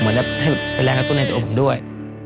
เหมือนจะให้เป็นแรงกระตุ้นในตัวผมด้วย